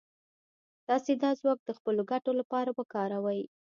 تاسې دا ځواک د خپلو ګټو لپاره وکاروئ.